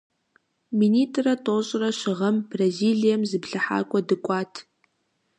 Минитӏрэ тӏощӏрэ щы гъэм Бразилием зыплъыхьакӏуэ дыкӏуат.